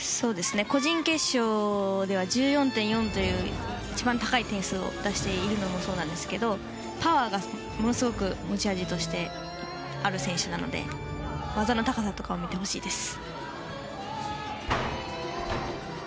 個人決勝では１４．４という一番高い点数を出しているのもそうなんですがパワーがものすごく持ち味としてある選手なので技の高さとかを見てほしいです。